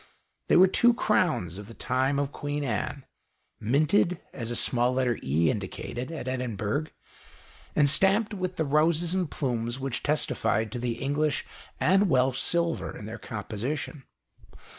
They were two crowns of the time of Queen Anne, minted, as a small letter E indicated, at Edinburgh, and stamped with the roses and plumes which testified to the English and Welsh silver in their composition.